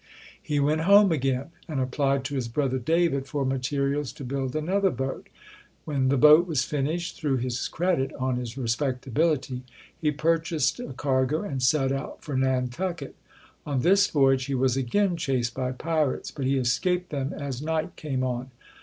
He went home again and applied to his brother David for materials to build another boat. When the boat was finished, through his credit (on his respectability), he purchased a cargo and set out for Nantucket. On this voyage, he was again chased by pirates, but he escaped them as night came on.